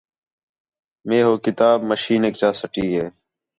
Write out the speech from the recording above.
مے ہو کتاب مشینیک چا سٹی ہِے